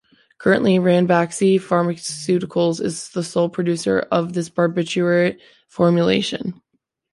Currently Ranbaxy Pharmaceuticals is the sole producer of this barbiturate formulation.